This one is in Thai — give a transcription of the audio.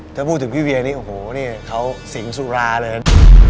ถ้าพูดถึงพี่เวียงแบบนี้คือเขาสิงสุราเลย